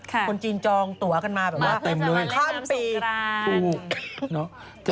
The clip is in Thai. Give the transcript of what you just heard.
คุณจีนจองตัวกันมาเมื่อคั่นปี